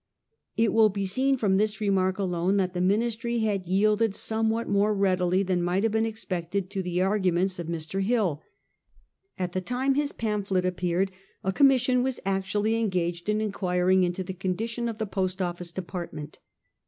It will be seen from this remark alone that the Ministry had yielded somewhat more readily than might have been expected to the arguments of Mr. Hill. At the time his pamphlet appeared a commis sion was actually engaged in inquiring into the con dition of the Post Office department.